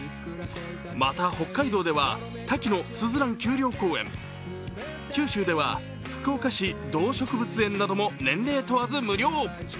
また北海道では滝野すずらん丘陵公園、九州では福岡市動植物園なども年齢問わず無料。